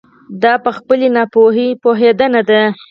دا په خپلې ناپوهي پوهېدنه ده.